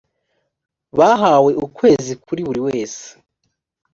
bahawe ukwezi kuri buri wese